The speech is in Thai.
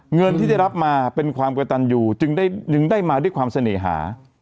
เงินที่ได้รับมาเป็นความกระตันอยู่จึงได้มาด้วยความเสน่หา